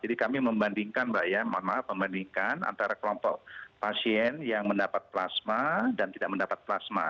jadi kami membandingkan mbak ya antara kelompok pasien yang mendapat plasma dan tidak mendapat plasma